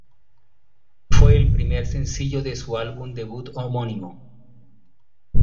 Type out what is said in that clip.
Fue el primer sencillo de su álbum debut homónimo.